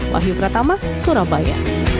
wahyu kratama surabaya